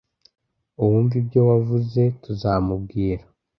uwumva ibyo wavuze tuzamubwira